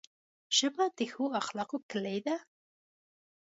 ژبه د ښو اخلاقو کلۍ ده